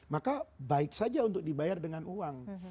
maka baik saja untuk dibayar dengan uang